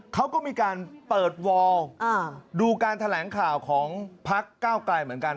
เขาก็มีการเปิดวอลดูการแถลงข่าวของพักเก้าไกลเหมือนกัน